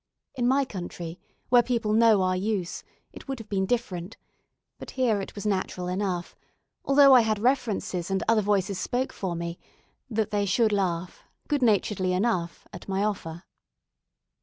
In my country, where people know our use, it would have been different; but here it was natural enough although I had references, and other voices spoke for me that they should laugh, good naturedly enough, at my offer.